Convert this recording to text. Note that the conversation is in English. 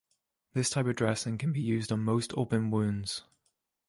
This type of dressing can be used on most open wounds.